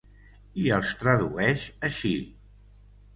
I els tradueix així.